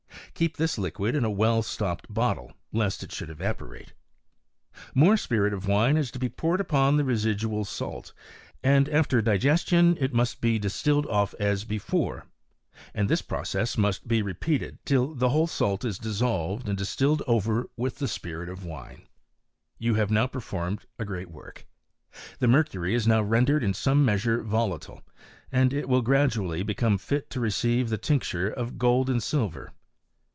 Ket this liquid in a well stopped bottle, lest it shoi evaporate. More spirit of wine is to be poured ii| the residual salt, and after digestion it must be dial tilled off as before ; and this process must be repes till the whole salt is dissolved, and distilled over wi the spirit of wine. You have now performed a work. The mercury is now rendered in some measi volatile, and it will gradually become fit to receive thf tincture of gold and silver.